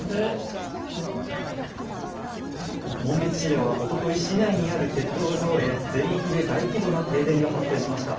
紋別市ではおととい市内にある鉄塔が倒れ全域で大規模な停電が発生しました。